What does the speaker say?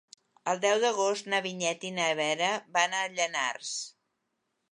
El deu d'agost na Vinyet i na Vera van a Llanars.